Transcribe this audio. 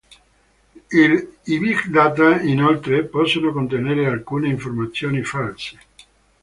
I Big Data, inoltre, possono contenere alcune informazioni false.